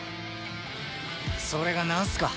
それがなんすか？